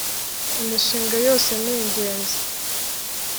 imishinga yose ningenzi.